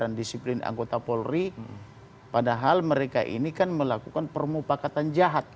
karena disiplin anggota polri padahal mereka ini kan melakukan permupakatan jahat